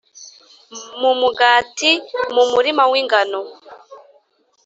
mu mugati mu murima w'ingano,